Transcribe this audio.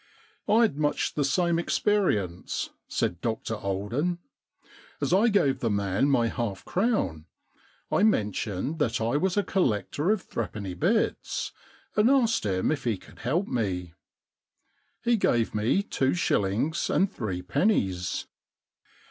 * Yd much the same experience,' said Dr Alden. * As I gave the man my half crown I mentioned that I was a collector of threepenny bits, and asked him if he could help me. He gave me two shillings and three pennies.